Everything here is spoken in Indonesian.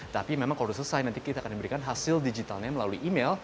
tapi memang kalau sudah selesai nanti kita akan diberikan hasil digitalnya melalui email